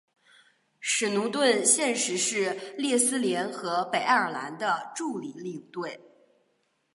史奴顿现时是列斯联和北爱尔兰的助理领队。